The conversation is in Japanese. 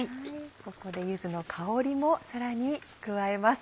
ここで柚子の香りもさらに加えます。